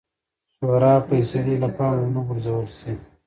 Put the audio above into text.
شورا فیصلې له پامه ونه غورځول شي.